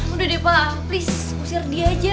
udah deh pak please usir dia aja